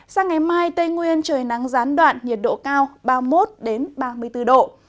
sang ngày mai tây nguyên trời nắng gián đoạn nhiệt độ cao ba mươi một ba mươi bốn độ